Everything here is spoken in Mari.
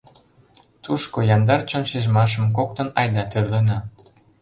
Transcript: Тушко яндар чон шижмашым Коктын айда тӱрлена.